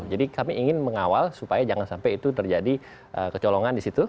jadi kami ingin mengawal supaya jangan sampai itu terjadi kecolongan di situ